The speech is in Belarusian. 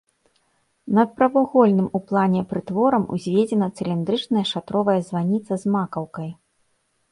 Над прамавугольным у плане прытворам узведзена цыліндрычная шатровая званіца з макаўкай.